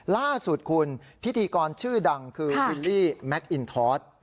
ล่าสุดคุณพิธีกรชื่อดังคือวิลลี่แมคอินทอส